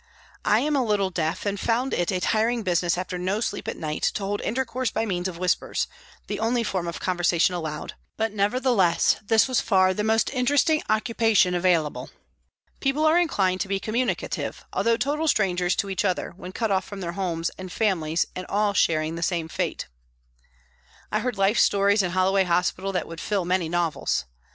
I am a little deaf, and found it a tiring business after no sleep at night to hold intercourse by means of whispers, the only form of conversation allowed, but nevertheless this was far the most interesting occupation available. People are inclined to be communicative, although total strangers to each other, when cut off from their homes and friends and all sharing the same fate. I heard life stories in Hollo way hospital that would fill many novels.